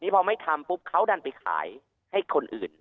พอไม่ทำปุ๊บเขาดันไปขายให้คนอื่น